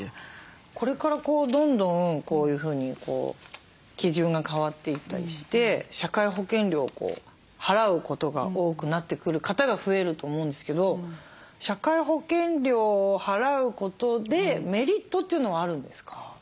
これからどんどんこういうふうに基準が変わっていったりして社会保険料を払うことが多くなってくる方が増えると思うんですけど社会保険料を払うことでメリットというのはあるんですか？